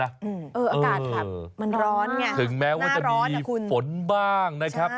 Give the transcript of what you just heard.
เอออากาศผับมันร้อนครับหน้าร้อนนะคุณถึงแม้ว่าจะมีฝนบ้างนะครับ